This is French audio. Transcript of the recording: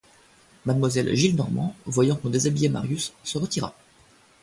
Mademoiselle Gillenormand, voyant qu'on déshabillait Marius, se retira.